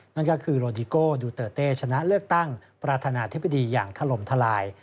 นั่นก็คือโลดิโก้ดูเตอร์เต้ชนะเลือกตั้งประธานาธิบดีอย่างถล่มทลาย